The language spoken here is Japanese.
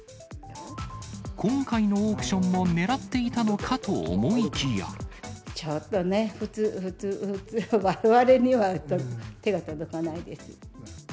今回のオークションもねらっちょっとね、普通、われわれには手が届かないです。